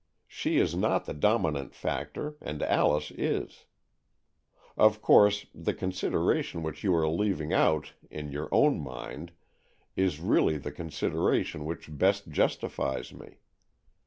She is not the dominant factor, and Alice is. Of course, the con sideration which you are leaving out in your own mind, is really the consideration which best justifies me.